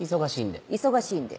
忙しいんで。